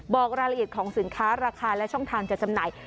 บอกรายละเอียดของสินค้าราคาและช่องทางจะจำหน่าย